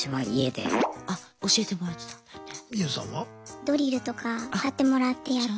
ドリルとか買ってもらってやったりとか。